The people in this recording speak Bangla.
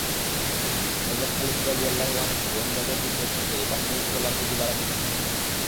হযরত খালিদ রাযিয়াল্লাহু আনহু গোয়েন্দাদের রিপোর্ট অনুযায়ী বাহিনীর চলার গতি বাড়াতে থাকেন।